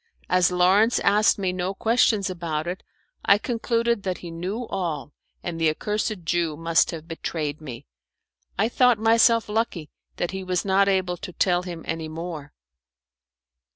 As Lawrence asked me no questions about it, I concluded that he knew all, and the accursed Jew must have betrayed me. I thought myself lucky that he was not able to tell him any more.